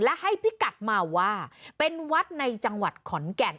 และให้พิกัดมาว่าเป็นวัดในจังหวัดขอนแก่น